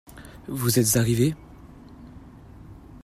Vous êtes arrivé ?